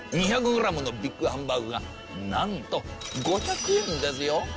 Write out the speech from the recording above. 「２００グラムのビッグハンバーグがなんと５００円ですよ」。